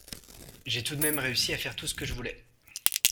J’ai tout de même réussi à faire tout ce que je voulais.